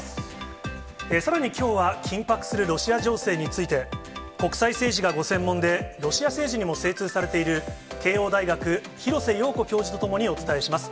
さらにきょうは、緊迫するロシア情勢について、国際政治がご専門で、ロシア政治にも精通されている、慶応大学、廣瀬陽子教授と共にお伝えします。